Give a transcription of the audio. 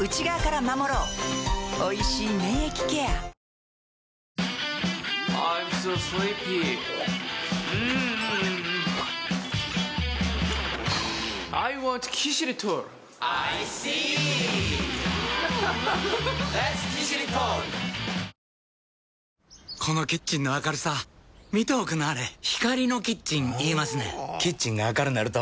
おいしい免疫ケアこのキッチンの明るさ見ておくんなはれ光のキッチン言いますねんほぉキッチンが明るなると・・・